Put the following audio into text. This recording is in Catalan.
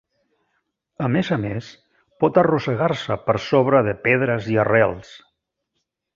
A més a més, pot arrossegar-se per sobre de pedres i arrels.